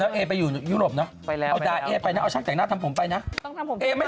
เขาเดี้ยงไปเลยนะที่เหยียบที่กระทืบอ่ะมีอันนี้